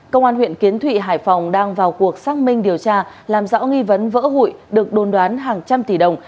công an huyện kiến thụy hải phòng đang vào cuộc xác minh điều tra làm rõ nghi vấn vỡ hụi được đồn đoán hàng trăm tỷ đồng